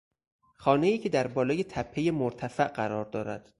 خانهای که در بالای تپهی مرتفع قرار دارد